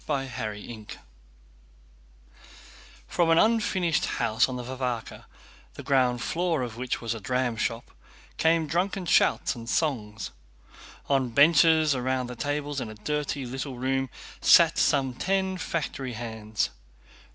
CHAPTER XXIII From an unfinished house on the Varvárka, the ground floor of which was a dramshop, came drunken shouts and songs. On benches round the tables in a dirty little room sat some ten factory hands.